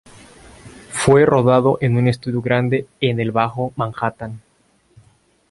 Fue rodado en un estudio grande en el Bajo Manhattan.